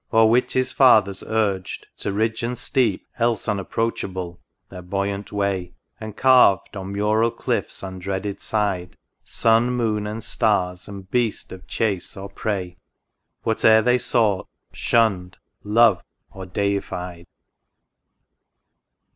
O'er which his Fathers urged, to ridge and steep Else unapproachable, their buoyant way ; And carved, on mural cliff's undreaded side, Sun, moon, and stars, and beast of chase or prey ; Whatever they sought, shunn'd, loved, or deified